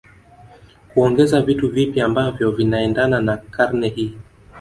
kuongeza vitu vipya ambavyo vinaendana na karne hii